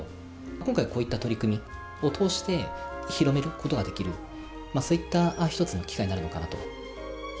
今回、こういった取り組みを通して、広めることができる、そういった一つの機会になるのかなと。